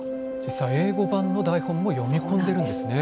英語版の台本も読み込んでるんですね。